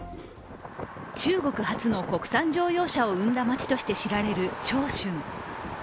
中国初の国産乗用車を生んだ街として知られる長春。